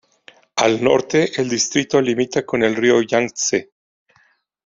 Al norte el distrito limita con el río Yangtze.